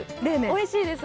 おいしいです。